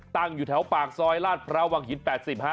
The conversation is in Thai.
ตั้งอยู่แถวปากซอยลาดพรวังหิน๘๐ฮะ